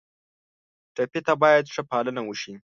ټپي ته باید ښه پالنه وشي.